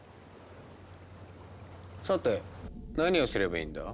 さて何をすればいいんだ？